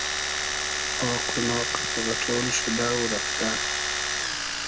آق و ناق ام غئݖۉل شودۂ و رئفتۂ